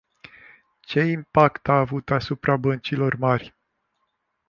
Ce impact a avut asupra băncilor mari?